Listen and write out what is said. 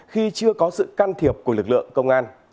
khi chưa có sự can thiệp của lực lượng công an